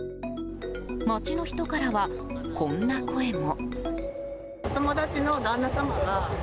街の人からは、こんな声も。